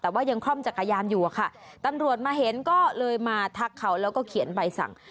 แต่ว่ายังคล่อมจักรยานอยู่อะค่ะตำรวจมาเห็นก็เลยมาทักเขาแล้วก็เขียนใบสั่ง